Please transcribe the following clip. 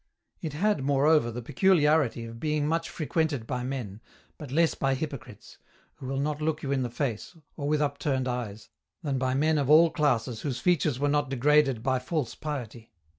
It had, moreover, the peculiarity of being much frequented by men, but less by hypocrites, who will not look you in the face, or with upturned eyes, than by men of all classes whose features were not degraded by false piety.